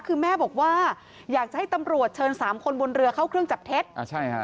คือแม่บอกว่าอยากจะให้ตำรวจเชิญสามคนบนเรือเข้าเครื่องจับเท็จอ่าใช่ฮะ